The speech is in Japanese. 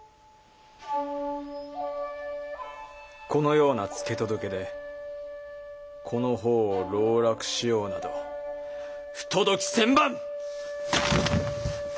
このような付け届けでこの方を籠絡しようなど不届き千万！